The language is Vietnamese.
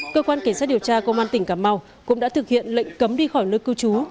cơ quan cảnh sát điều tra công an tỉnh cà mau cũng đã thực hiện lệnh cấm đi khỏi nơi cư trú